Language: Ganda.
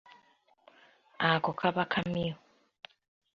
Ako kaba kamyu.